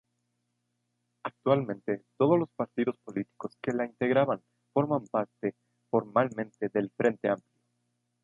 Actualmente todos los partidos políticos que la integraban forman parte formalmente del Frente Amplio.